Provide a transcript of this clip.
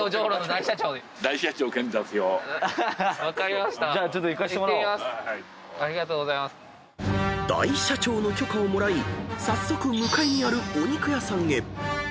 ［大社長の許可をもらい早速向かいにあるお肉屋さんへ］